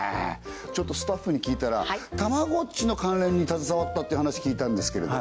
ちょっとスタッフに聞いたらたまごっちの関連に携わったって話聞いたんですけれど